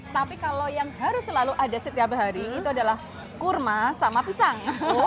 tapi kalau yang harus selalu ada setiap hari itu adalah kurma sama pisang